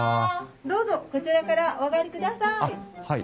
どうぞこちらからお上がりください。